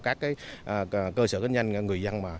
các cơ sở kinh doanh người dân